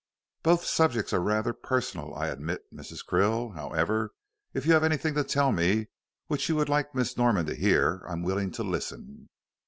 "Both subjects are rather personal, I admit, Mrs. Krill. However, if you have anything to tell me, which you would like Miss Norman to hear, I am willing to listen."